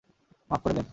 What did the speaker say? মাফ করে দেন।